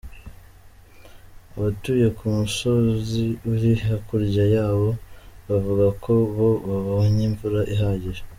Abatuye ku musozi uri hakurya yabo bavuga ko bo babonye imvura ihagije.